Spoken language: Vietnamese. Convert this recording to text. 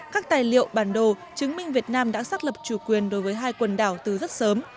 các tài liệu bản đồ chứng minh việt nam đã xác lập chủ quyền đối với hai quần đảo từ rất sớm